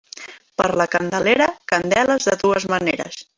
Per la Candelera, candeles de dues maneres.